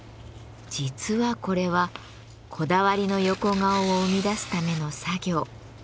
実はこれはこだわりの横顔を生み出すための作業。